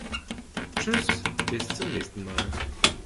Tschüss, bis zum nächsen Mal!